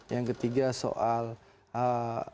yang ketiga soal pelapaan pekerjaan